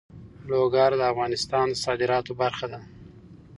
لوگر د افغانستان د صادراتو برخه ده.